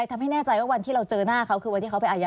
ทำให้แน่ใจว่าวันที่เราเจอหน้าเขาคือวันที่เขาไปอายา